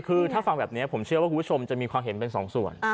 คือถ้าฟังแบบนี้ผมเชื่อว่าคุณผู้ชมจะมีความเห็นเป็นสองส่วน